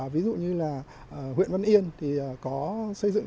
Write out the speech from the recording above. ví dụ như huyện văn yên có xây dựng